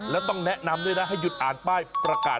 แล้วต้องแนะนำด้วยนะให้หยุดอ่านป้ายประกาศ